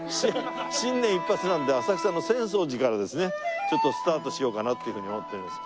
新年一発目なんで浅草の浅草寺からですねちょっとスタートしようかなっていうふうに思っております。